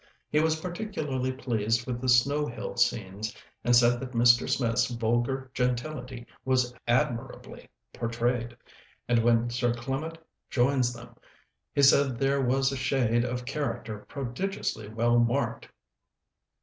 He was particularly pleased with the snow hill scenes, and said that Mr. Smith's vulgar gentility was admirably portrayed; and when Sir Clement joins them, he said there was a shade of character prodigiously well marked.